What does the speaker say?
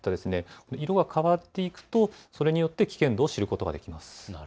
色が変わっていくとそれによって危険度を知ることができます。